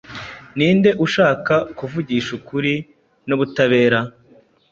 Ninde ushaka kuvugisha ukuri nubutabera